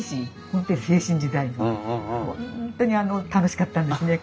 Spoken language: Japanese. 本当に楽しかったんですね。